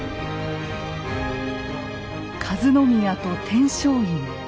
和宮と天璋院。